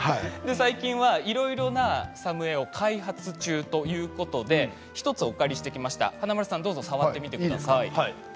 いろいろな、さむえを開発中ということで１つをお借りしてきましたが華丸さん触ってみてください。